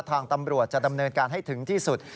ทางตำรวจจะดำเนินการให้ถึงที่สุด